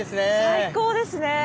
最高ですね。